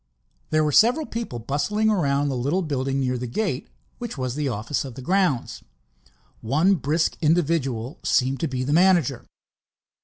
There were several people bustling around the little building near the gate which was the office of the grounds. One brisk individual seemed to be the manager.